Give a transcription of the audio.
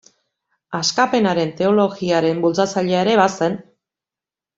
Askapenaren teologiaren bultzatzailea ere bazen.